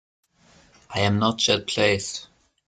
I am not yet placed.